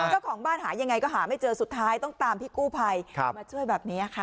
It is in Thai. เจ้าของบ้านหายังไงก็หาไม่เจอสุดท้ายต้องตามพี่กู้ภัยมาช่วยแบบนี้ค่ะ